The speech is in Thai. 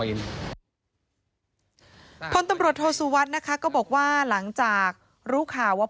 พตโทษวัสนะคะก็บอกว่าหลังจากรู้ข่าวว่า